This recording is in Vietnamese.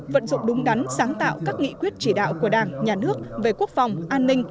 vận dụng đúng đắn sáng tạo các nghị quyết chỉ đạo của đảng nhà nước về quốc phòng an ninh